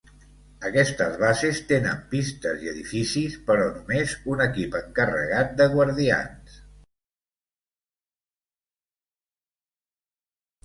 Aquestes bases tenen pistes i edificis, però només un equip encarregat de guardians.